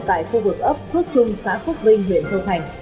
tại khu vực ấp phước trung xã phước vinh huyện châu thành